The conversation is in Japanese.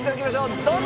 どうぞ！